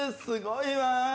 すごいわ。